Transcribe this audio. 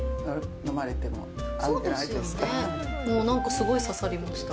なんか、すごい刺さりました。